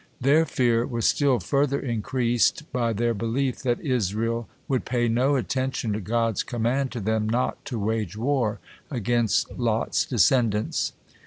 Their fear was still further increased by their belief that Israel would pay no attention to God's command to them not to wage war against Lot's descendants.